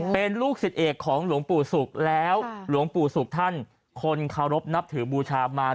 เป็นลูกศิษย์เอกของหลวงปู่ศุกร์แล้วหลวงปู่ศุกร์ท่านคนเคารพนับถือบูชามา